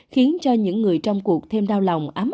khiến cho những người trong cuộc thêm đau lòng ám